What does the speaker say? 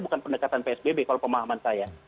bukan pendekatan psbb kalau pemahaman saya